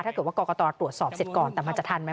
ถ้าเกิดว่ากรกตตรวจสอบเสร็จก่อนแต่มันจะทันไหม